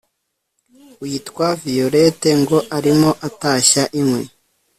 witwa violette ngo arimo atashya inkwi